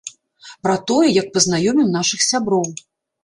Пра тое, як пазнаёмім нашых сяброў.